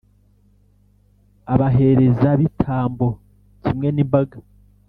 abaherezabitambo kimwe n’imbaga,